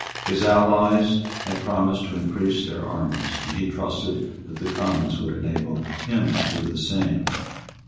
His allies had promised to increase their armies; and he trusted that the Commons would enable him to do the same.